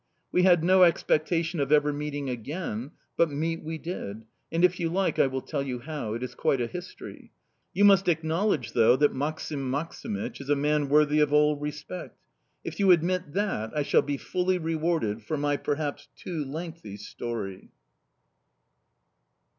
We had no expectation of ever meeting again, but meet we did, and, if you like, I will tell you how it is quite a history... You must acknowledge, though, that Maksim Maksimych is a man worthy of all respect... If you admit that, I shall be fully rewarded for my, perhaps, too lengthy story.